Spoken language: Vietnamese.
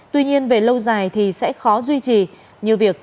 tuy nhiên về lâu dài thì sẽ khó duy trì